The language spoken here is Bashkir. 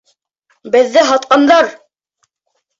Беҙҙе һатҡандар!